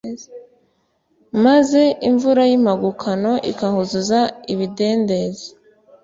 maze imvura y'impangukano ikahuzuza ibidendezi